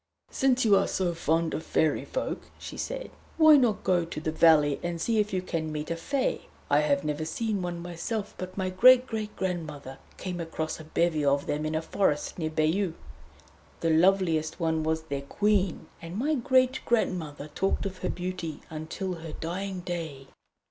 "Since you are so fond of Fairy Folk," she said, "why not go to the valley, and see if you can meet a Fée? I have never seen one myself, but my great great grandmother came across a bevy of them in a forest near Bayeux. The loveliest one was their Queen, and my great great grandmother talked of her beauty until her dying day."